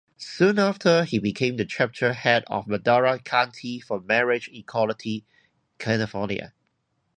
Soon after he became the chapter head of Madera County for Marriage Equality California.